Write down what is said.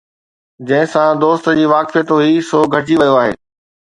جنهن سان دوست جي واقفيت هئي، سو گهٽجي ويو آهي